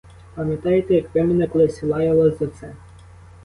Пам'ятаєте, як ви мене колись лаяли за це?